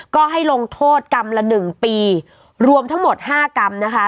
ก็ให้ลงโทษกรรมละหนึ่งปีรวมทั้งหมดห้ากรรมนะคะ